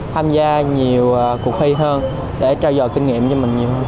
tham gia nhiều cuộc thi hơn để trao dò kinh nghiệm cho mình nhiều hơn